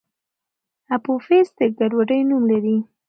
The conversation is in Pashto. اپوفیس د ګډوډۍ نوم لري.